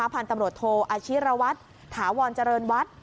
ผ่านตำรวจโทรอาชิระวัฒน์ถาวรเจริญวัฒน์